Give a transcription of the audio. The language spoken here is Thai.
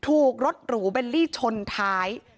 ถูกรถหรูเบลลี่ชนท้าย